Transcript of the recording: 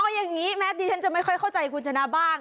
เอาอย่างนี้แม้ดิฉันจะไม่ค่อยเข้าใจคุณชนะบ้าง